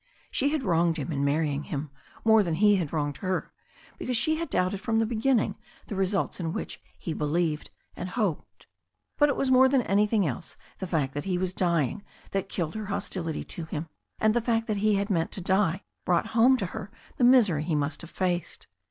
She had wronged him in marrying him more than he had wronged her because she had doubted from the beginning the results in which he believed and hoped. But it was more than anything else the fact that he was dying that killed her hostility to him, and the fact that he had meant to die brought home to her the misery he must have faced.